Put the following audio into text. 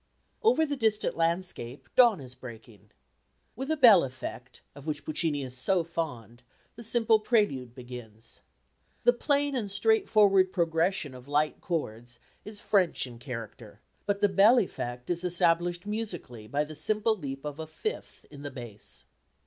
Over the distant landscape dawn is breaking. With a bell effect, of which Puccini is so fond, the simple prelude begins. The plain and straightforward progression of light chords is French in character, but the bell effect is established musically by the simple leap of a fifth in the bass.